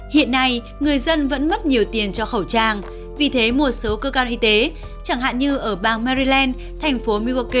hiện nay người dân vẫn mất nhiều tiền cho khẩu trang vì thế một số cơ quan y tế chẳng hạn như ở bang maryland thành phố migoke